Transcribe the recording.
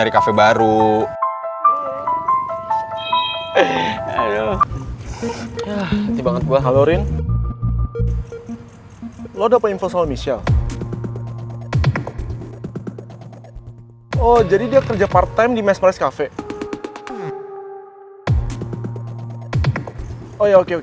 harusnya ada sih